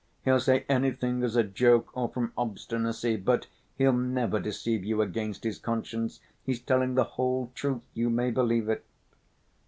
He'll say anything as a joke or from obstinacy, but he'll never deceive you against his conscience. He's telling the whole truth, you may believe it."